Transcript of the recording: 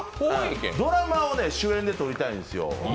ドラマを主演で撮りたいんですよ。